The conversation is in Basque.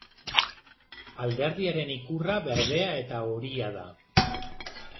Alderdiaren ikurra berdea eta horia da.